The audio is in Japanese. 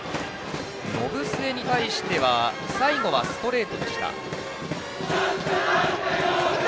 延末に対しては最後はストレートでした。